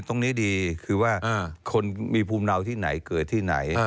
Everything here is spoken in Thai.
ตรงนี้ดีคือว่าคนมีภูมิเนาที่ไหนเกิดที่ไหน